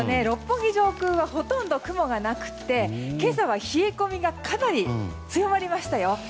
六本木上空はほとんど雲がなくて今朝は冷え込みがかなり強まりましたよ。